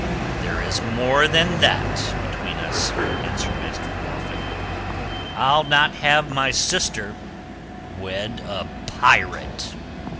"There is more than that between us," answered Master Godolphin. "I'll not have my sister wed a pirate."